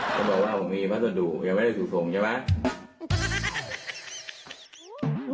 จะบอกว่าผมมีพัสดุอย่าไว้ในสู่ฝงใช่ไหม